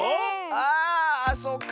ああそっか。